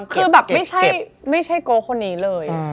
คือไม่ใช่โก้คนี้เลย